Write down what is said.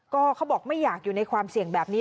ก็เขาบอกไม่อยากอยู่ในความเสี่ยงแบบนี้